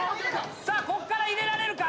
さあここから入れられるか？